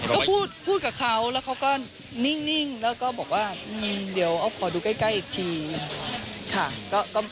ก็พูดกับเขาแล้วเขาก็นิ่งแล้วก็บอกว่าเดี๋ยวออฟขอดูใกล้อีกทีค่ะ